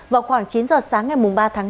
vào khoảng chín giờ sáng ngày ba tháng năm